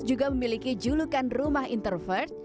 juga memiliki julukan rumah interfat